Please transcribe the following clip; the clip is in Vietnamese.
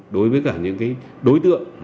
đối với cả những đối tượng